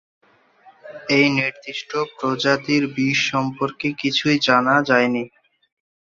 এই নির্দিষ্ট প্রজাতির বিষ সম্পর্কে কিছুই জানা যায়নি।